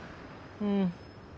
うん。